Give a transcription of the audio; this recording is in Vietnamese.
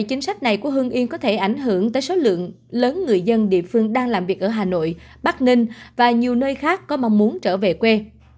chính sách này của hương yên có thể ảnh hưởng tới số lượng lớn người dân địa phương đang làm việc ở hà nội bắc ninh và nhiều nơi khác có mong muốn trở về quê